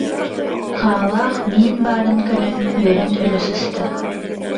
Хаалаах миин баарын көрөн үөрэн өлө сыста